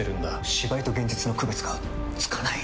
芝居と現実の区別がつかない！